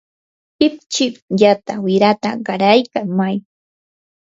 ichikllata wirata qaraykamay.